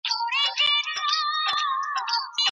ایا نوي کروندګر انځر صادروي؟